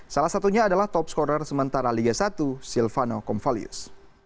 salah satunya adalah top scorer sementara liga satu silvano konvalius